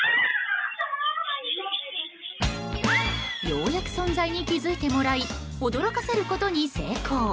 ようやく存在に気付いてもらい驚かせることに成功。